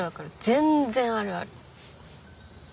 全然あるある。